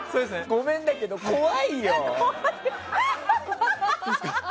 ごめんだけど、怖いよ。